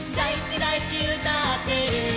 うたってる」